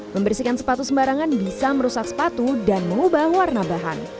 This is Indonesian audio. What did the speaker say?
membersihkan sepatu sembarangan bisa merusak sepatu dan mengubah warna bahan